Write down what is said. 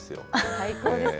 最高ですね。